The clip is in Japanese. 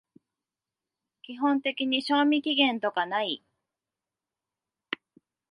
基本的に賞味期限とかない